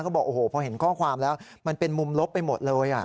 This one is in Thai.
บอกโอ้โหพอเห็นข้อความแล้วมันเป็นมุมลบไปหมดเลย